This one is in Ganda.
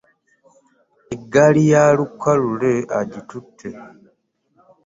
Eggaali ya Lukka Lule agitutte.